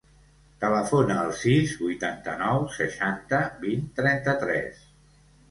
Telefona al sis, vuitanta-nou, seixanta, vint, trenta-tres.